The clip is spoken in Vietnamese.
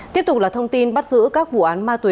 tiếp tục là thông tin bắt giữ các vụ án ma túy